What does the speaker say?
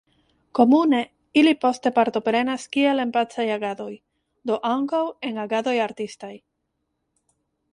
Komune ili poste partoprenas kiel en pacaj agadoj, do ankaŭ en agadoj artistaj.